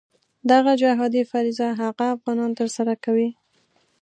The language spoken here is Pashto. دغه جهادي فریضه هغه افغانان ترسره کوي.